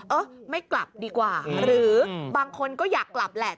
เออไม่กลับดีกว่าหรือบางคนก็อยากกลับแหละ